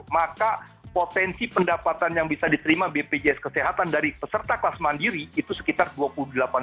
maka potensi pendapatan yang bisa diterima bpjs kesehatan dari peserta kelas mandiri itu sekitar rp dua puluh delapan triliun